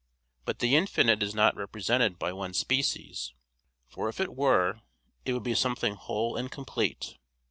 But the infinite is not represented by one species, for if it were it would be something whole and complete.